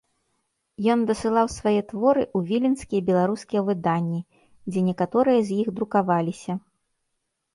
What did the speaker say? Ён дасылаў свае творы ў віленскія беларускія выданні, дзе некаторыя з іх друкаваліся.